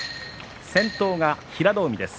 先頭が平戸海です。